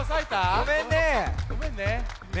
ごめんね。